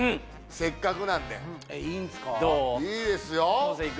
せっかくなんでえっいいんすか？